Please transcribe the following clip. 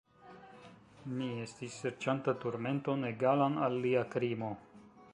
Mi estis serĉanta turmenton egalan al lia krimo.